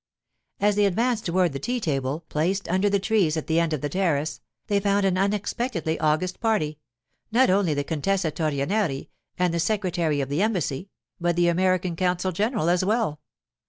As they advanced toward the tea table, placed under the trees at the end of the terrace, they found an unexpectedly august party—not only the Contessa Torrenieri and the secretary of the Embassy, but the American consul general as well.